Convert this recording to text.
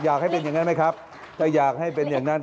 อยากให้เป็นอย่างนั้นไหมครับถ้าอยากให้เป็นอย่างนั้น